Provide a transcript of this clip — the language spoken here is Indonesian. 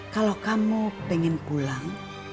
kalau kamu pengen pulang